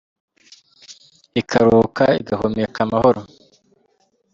Ikaruhuka igahumeka amahoro.